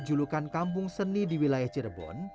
julukan kampung seni di wilayah cirebon